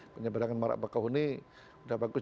penyeberangan marapakahuni sudah bagus